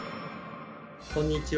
こんにちは。